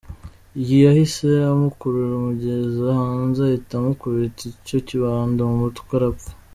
Yahise amukurura amugeza hanze ahita amukubita icyo kibando mu mutwe arapfa.